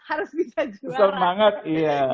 harus bisa justru semangat iya